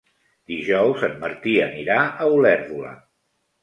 Dijous en Martí anirà a Olèrdola.